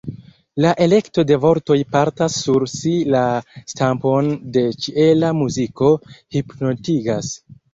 La elekto de vortoj portas sur si la stampon de ĉiela muziko, hipnotigas.